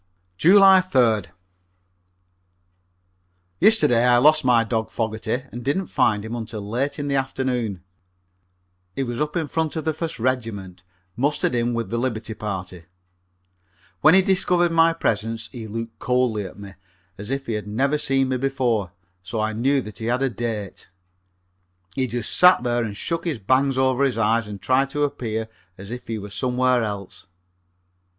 July 3d. Yesterday I lost my dog Fogerty and didn't find him until late in the afternoon. He was up in front of the First Regiment, mustered in with the liberty party. When he discovered my presence he looked coldly at me, as if he had never seen me before, so I knew that he had a date. He just sat there and shook his bangs over his eyes and tried to appear as if he were somewhere else.